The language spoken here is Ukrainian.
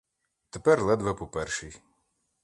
Тепер ледве по першій.